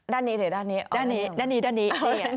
ด้านนี้เถอะด้านนี้